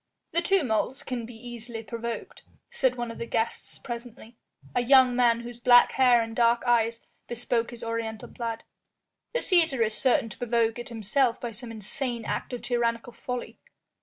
"The tumult can be easily provoked," said one of the guests presently a young man whose black hair and dark eyes bespoke his Oriental blood. "The Cæsar is certain to provoke it himself by some insane act of tyrannical folly.